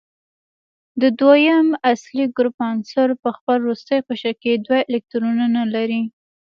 د دویم اصلي ګروپ عناصر په خپل وروستي قشر کې دوه الکترونونه لري.